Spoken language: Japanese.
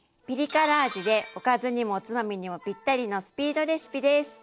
ピリ辛味でおかずにもおつまみにもぴったりのスピードレシピです。